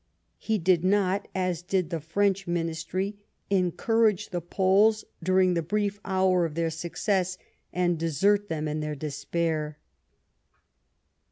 He did not, as did the French ministry, encourage the Poles during the brief hour of their success, and desert them in their despair.